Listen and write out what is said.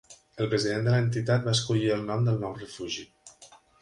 El president de l'entitat va escollir el nom del nou refugi.